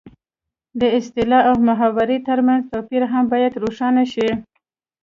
د اصطلاح او محاورې ترمنځ توپیر هم باید روښانه شي